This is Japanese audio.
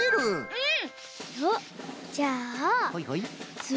うん。